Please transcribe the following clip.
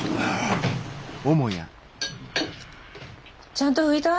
ちゃんと拭いた？